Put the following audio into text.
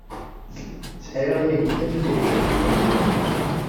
Sɛiɣ yagi tanfult.